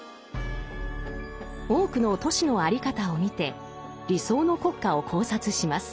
多くの都市の在り方を見て理想の国家を考察します。